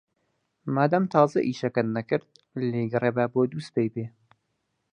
مادام تازە ئیشەکەت نەکرد، لێی گەڕێ با بۆ دووسبەی بێ.